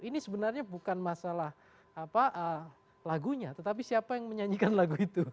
ini sebenarnya bukan masalah lagunya tetapi siapa yang menyanyikan lagu itu